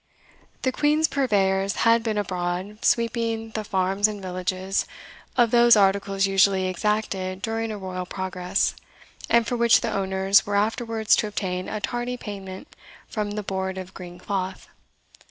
The Queen's purveyors had been abroad, sweeping the farms and villages of those articles usually exacted during a royal Progress, and for which the owners were afterwards to obtain a tardy payment from the Board of Green Cloth.